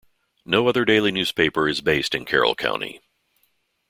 No other daily newspaper is based in Carroll County.